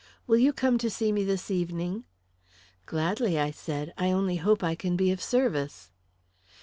Will you come to see me this evening?" "Gladly," I said; "I only hope I can be of service."